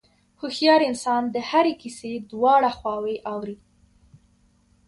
هوښیار انسان د هرې کیسې دواړه خواوې اوري.